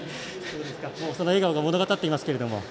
その笑顔が物語っています。